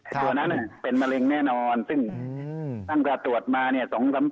ตัวนั้นเป็นมะเร็งแน่นอนซึ่งตั้งแต่ตรวจมา